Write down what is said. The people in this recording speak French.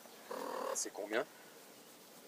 C'est combien ?